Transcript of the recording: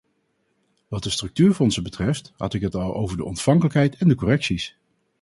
Wat de structuurfondsen betreft, had ik het al over de ontvankelijkheid en de correcties.